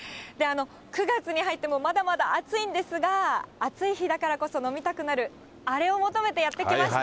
９月に入ってもまだまだ暑いんですが、暑い日だからこそ飲みたくなる、あれを求めてやって来ました。